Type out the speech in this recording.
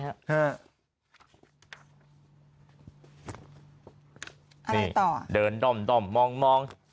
อะไรต่อเดินด่อมมอง